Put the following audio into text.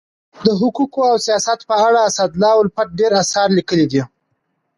د حقوقو او سیاست په اړه اسدالله الفت ډير اثار لیکلي دي.